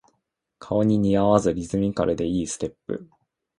顔に似合わずリズミカルで良いステップ